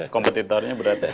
kompetitornya berat ya